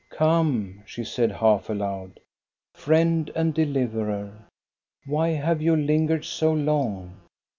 " Come," she said half aloud, " friend and deliverer ! Why have you lingered so long?